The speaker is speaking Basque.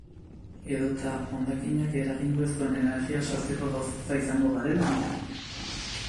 Edota hondakinik eragingo ez duen energia sortzeko gauza izango garela?